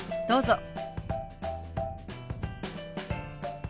どうぞ。